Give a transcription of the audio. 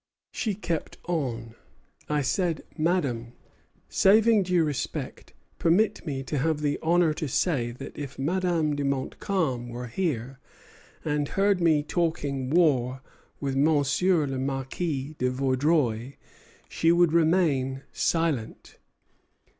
She kept on. I said: 'Madame, saving due respect, permit me to have the honor to say that if Madame de Montcalm were here, and heard me talking war with Monsieur le Marquis de Vaudreuil, she would remain silent.'